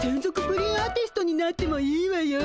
プリンアーティストになってもいいわよ。